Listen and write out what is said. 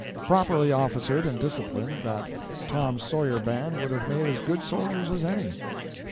Properly officered and disciplined, that "Tom Sawyer" band would have made as good soldiers as any.